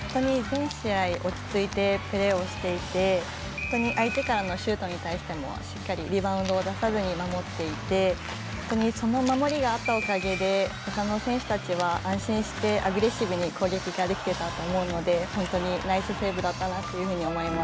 全試合、落ち着いてプレーをしていて相手からのシュートに対してもしっかりリバウンドを出さずに守っていて本当にその守りがあったおかげでほかの選手たちは安心してアグレッシブに攻撃ができてたと思うので本当にナイスセーブ